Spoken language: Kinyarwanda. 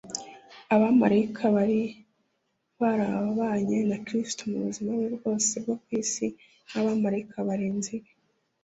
’” aba bamarayika bari barabanye na kristo mu buzima bwe bwose bwo ku isi nk’abamarayika barinzi be